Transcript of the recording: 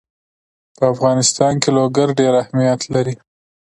په افغانستان کې لوگر ډېر اهمیت لري.